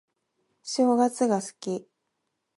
正月が好き